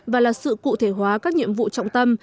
và là sự cụ thể hóa các nhiệm vụ trọng tâm